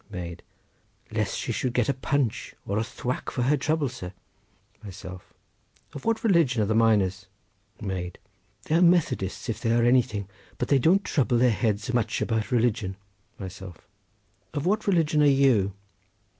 Maid.—Lest she should get a punch or a thwack for her trouble, sir. Myself.—Of what religion are the miners? Maid.—They are Methodists, if they are anything; but they don't trouble their heads much about religion. Myself.—Of what religion are you?